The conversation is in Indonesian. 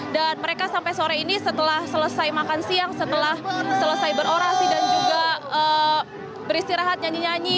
dan mereka sampai sore ini setelah selesai makan siang setelah selesai berorasi dan juga beristirahat nyanyi nyanyi